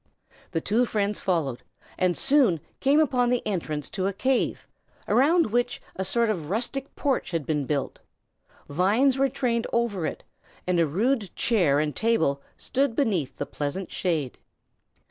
The two friends followed, and soon came upon the entrance to a cave, around which a sort of rustic porch had been built. Vines were trained over it, and a rude chair and table stood beneath the pleasant shade.